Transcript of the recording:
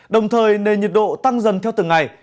đồng thời nền nhiệt độ tăng dần theo từng ngày